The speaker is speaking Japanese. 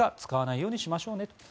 使わないようにしましょうね。